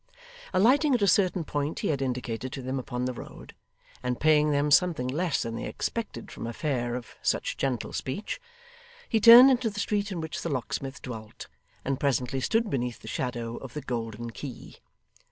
Alighting at a certain point he had indicated to them upon the road, and paying them something less than they expected from a fare of such gentle speech, he turned into the street in which the locksmith dwelt, and presently stood beneath the shadow of the Golden Key.